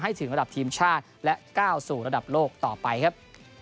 ถึงระดับทีมชาติและก้าวสู่ระดับโลกต่อไปครับ